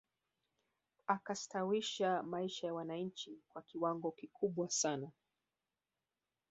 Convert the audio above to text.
Akastawisha maisha ya wananchi kwa kiwango kikubwa sana